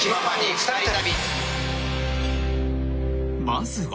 ［まずは］